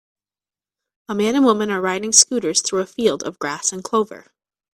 a man and woman are riding scooters through a field of grass and clover.